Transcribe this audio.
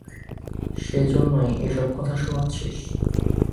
সেজন্যই এসব কথা শোনাচ্ছিস?